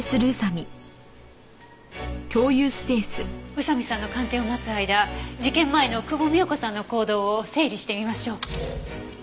宇佐見さんの鑑定を待つ間事件前の久保美也子さんの行動を整理してみましょう。